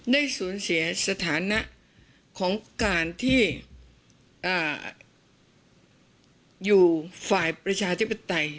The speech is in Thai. ได้สูญเสียสถานะของการที่อยู่ฝ่ายประชาธิปไตย